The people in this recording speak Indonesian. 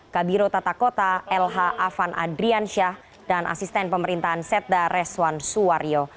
kabiro tata kota lh afan adriansyah dan asisten pemerintahan setda reswan suwaryo